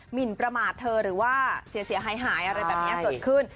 หินประมาทเธอหรือว่าเสียหายอะไรแบบนี้เกิดขึ้น